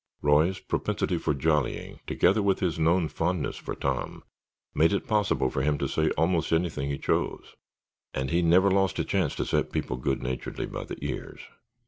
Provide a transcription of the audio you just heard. Roy's propensity for jollying, together with his known fondness for Tom, made it possible for him to say almost anything he chose, and he never lost a chance to set people good naturedly by the ears.